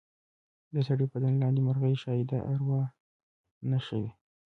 د سړي بدن لاندې مرغۍ ښایي د اروا نښه وي.